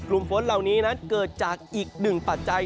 กลุ่มฝนเหล่านี้นั้นเกิดจากอีกหนึ่งปัจจัย